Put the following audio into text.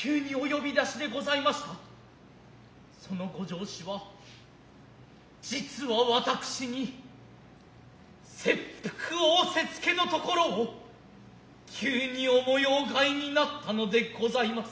其の御上使は実は私に切腹仰せつけの処を急に御模様がへに成つたのでございます。